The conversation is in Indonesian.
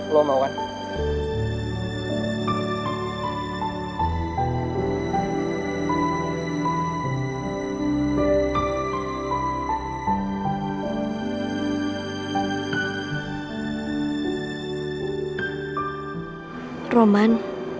lo mau kan